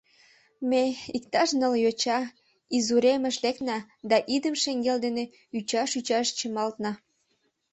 Ме, иктаж ныл йоча, изуремыш лекна да идым шеҥгел дене ӱчаш-ӱчаш чымалтна.